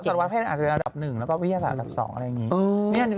วัตแพทย์อาจจะเป็นอันดับ๑แล้วก็วิทยาศาสตร์อันดับ๒อะไรอย่างนี้